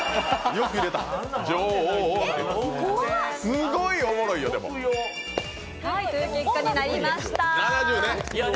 すごいおもろいよ、これ。